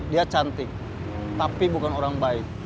dia cantik tapi bukan orang baik